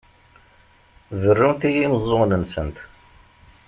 Berrunt i yimeẓẓuɣen-nsent.